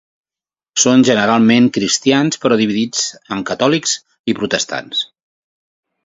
Són generalment cristians, però dividits en catòlics i protestants.